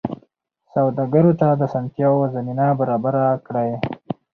سوداګرو ته د اسانتیاوو زمینه برابره کړئ.